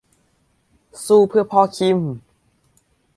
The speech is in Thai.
สู้เพื่อพ่อคิม !